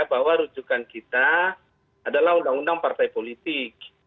bahwa rujukan kita adalah undang undang partai politik